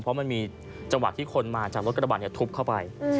เพราะมันมีจังหวะที่คนมาจากรถกระบะทุบเข้าไป